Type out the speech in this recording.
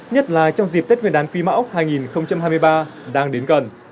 nhất là trong dịp tết nguyên đán phi mã úc hai nghìn hai mươi ba đang đến gần